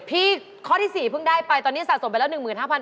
ข้อที่๔เพิ่งได้ไปตอนนี้สะสมไปแล้ว๑๕๐๐บาท